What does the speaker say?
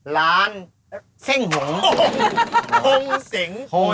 ร้านเส้งหง